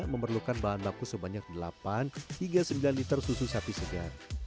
memerlukan bahan baku sebanyak delapan hingga sembilan liter susu sapi segar